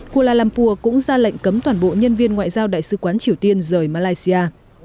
kuala lumpur cũng ra lệnh cấm toàn bộ nhân viên ngoại giao đại sứ quán triều tiên rời malaysia